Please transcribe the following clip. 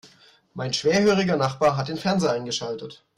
Mein schwerhöriger Nachbar hat den Fernseher eingeschaltet.